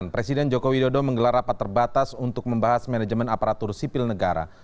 presiden joko widodo menggelar rapat terbatas untuk membahas manajemen aparatur sipil negara